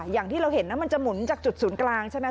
อย่างที่เราเห็นนะมันจะหมุนจากจุดศูนย์กลางใช่ไหม